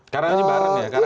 karena hanya bareng ya